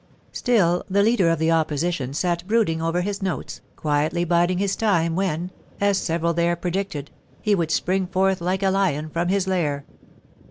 Still the leader of the Opposition sat brooding over his notes, quietly biding his time when, as several there predicted, he would spring forth like a lion from his lair.